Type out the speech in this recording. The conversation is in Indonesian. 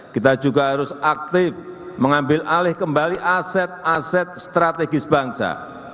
kita juga harus aktif mengambil alih kembali aset aset strategis bangsa